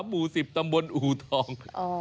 หมู่๑๐ตำบลอูทอง